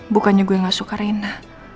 bukannya gue gak suka rena